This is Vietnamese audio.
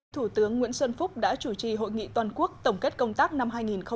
thủ tướng nguyễn xuân phúc đã chủ trì hội nghị toàn quốc tổng kết công tác năm hai nghìn một mươi chín